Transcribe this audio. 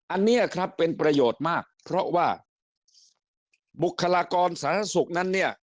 อันนี้ครับเป็นประโยชน์มากเพราะว่าบุคลากรสาธารณสุขนั้นเนี่ย